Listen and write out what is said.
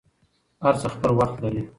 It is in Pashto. هر څه خپل وخت لري.